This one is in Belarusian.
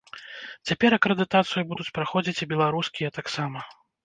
Цяпер акрэдытацыю будуць праходзіць і беларускія таксама.